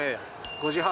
５時半。